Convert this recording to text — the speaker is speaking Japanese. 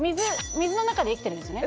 水の中で生きてるんですよね